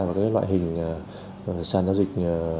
vào loại hình sàn giao dịch